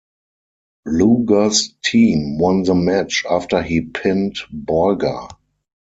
Luger's team won the match after he pinned Borga.